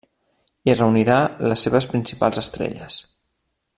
Hi reunirà les seves principals estrelles.